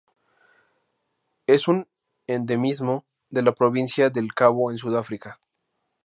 Es un endemismo de la Provincia del Cabo en Sudáfrica.